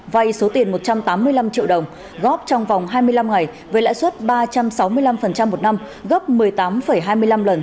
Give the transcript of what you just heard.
vay số tiền một trăm tám mươi năm triệu đồng góp trong vòng hai mươi năm ngày với lãi suất ba trăm sáu mươi năm một năm gấp một mươi tám hai mươi năm lần